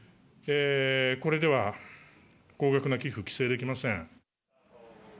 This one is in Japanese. これでは、高額な寄付を規制できません。